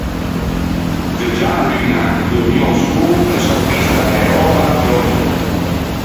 Veggiâ a-a luña e dormî a-o sô, no s’aquista né röba né önô.